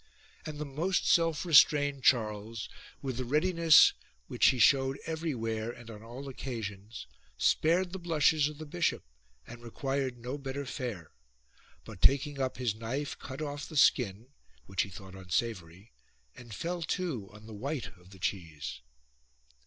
And the most self restrained Charles, with the readiness which he showed everywhere and on all occasions, spared the blushes of the bishop and required no better fare : but taking up his knife cut off the skin, which he thought unsavoury, and fell to on the white of the cheese.